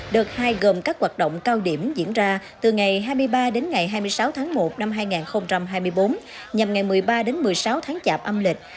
đợt hai gồm các hoạt động cao điểm diễn ra từ ngày hai mươi ba đến ngày hai mươi sáu tháng một năm hai nghìn hai mươi bốn nhằm ngày một mươi ba đến một mươi sáu tháng chạp âm lịch